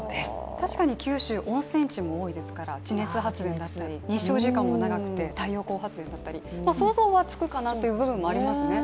確かに九州、温泉地も多いですから地熱発電だったり、日照時間も長くて太陽光発電だったり想像はつくかなという部分はありますね。